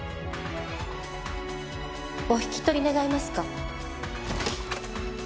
お引き取り願えますか？